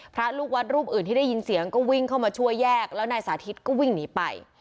พระลูกวัดรูปอื่นที่ได้ยินเสียงก็วิ่งเข้ามาช่วยแยกแล้วนายสาธิตก็วิ่งหนีไป